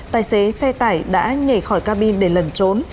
tài xế xe tải đã nhảy khỏi cabin để lần trốn